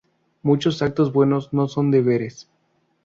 Muchos actos buenos no son deberes.